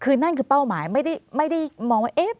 คือนั่นคือเป้าหมายไม่ได้มองว่าเอ๊ะ